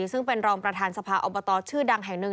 ซึ่งเป็นรองประธานสภาอบตชื่อดังแห่งหนึ่ง